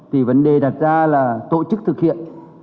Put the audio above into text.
thì vấn đề đặt ra là tổ chức thực hiện